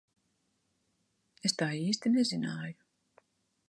Es tā īsti nezināju.